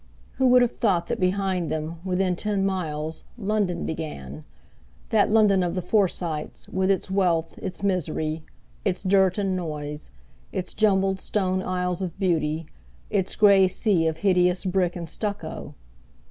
Who would have thought that behind them, within ten miles, London began—that London of the Forsytes, with its wealth, its misery; its dirt and noise; its jumbled stone isles of beauty, its grey sea of hideous brick and stucco?